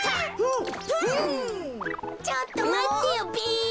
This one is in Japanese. ちょっとまってよべ。